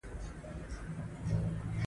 زاړه غرونه یې په شمال کې پراته دي.